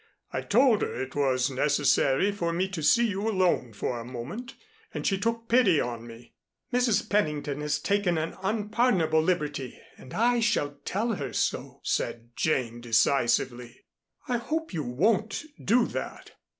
I told her it was necessary for me to see you alone for a moment and she took pity on me." "Mrs. Pennington has taken an unpardonable liberty and I shall tell her so," said Jane decisively. "I hope you won't do that."